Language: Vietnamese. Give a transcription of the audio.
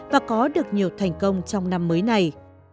và có được nhiều thành công trong năm mới này